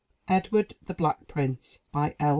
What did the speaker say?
EDWARD THE BLACK PRINCE By L.